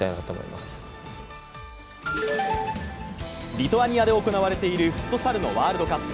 リトアニアで行われているフットサルのワールドカップ。